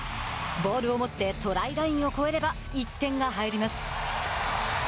ボールを持ってトライラインを越えれば１点が入ります。